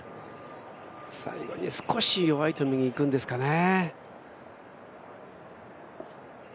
最後に少し弱いと、右へいくんですかね。